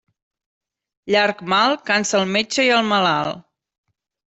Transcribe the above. Llarg mal cansa el metge i el malalt.